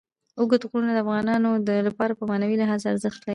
اوږده غرونه د افغانانو لپاره په معنوي لحاظ ارزښت لري.